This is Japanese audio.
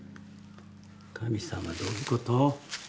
神様どういうこと？